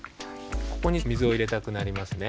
ここに水を入れたくなりますね。